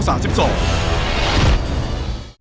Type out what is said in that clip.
โปรดติดตามตอนต่อไป